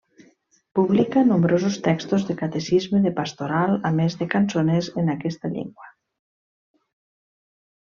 Publica nombrosos textos de catecisme, de pastoral, a més de cançoners en aquesta llengua.